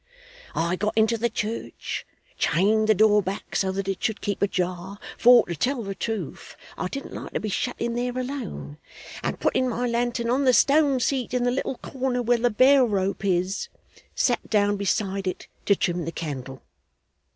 I got into the church, chained the door back so that it should keep ajar for, to tell the truth, I didn't like to be shut in there alone and putting my lantern on the stone seat in the little corner where the bell rope is, sat down beside it to trim the candle.